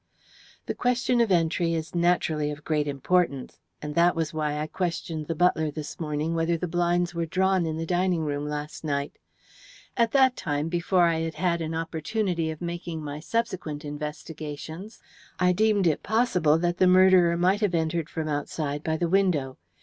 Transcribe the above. "The question of entry is naturally of great importance, and that was why I questioned the butler this morning whether the blinds were drawn in the dining room last night. At that time, before I had had an opportunity of making my subsequent investigations, I deemed it possible that the murderer might have entered from outside by the window.